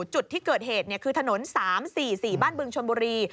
จุดที่เกิดเหตุคือถนน๓๔๔บ้านบึงชนบุรี